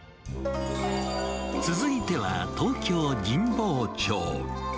続いては東京・神保町。